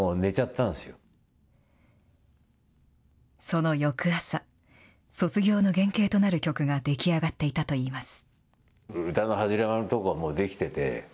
その翌朝、卒業の原型となる曲が出来上がっていたといいます。